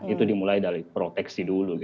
itu dimulai dari proteksi dulu